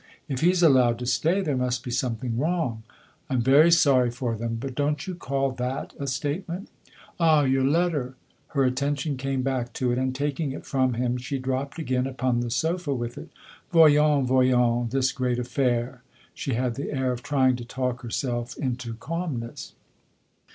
"If he's allowed to stay, there must be something wrong." " I'm very sorry for them ; but don't you call that a statement ?" "Ah, your letter?" Her attention came back to it, and, taking it from him, she dropped again npon the sofa with it. " Voyons, voyons this great affair!" she had the air of trying to talk herself nto calmness.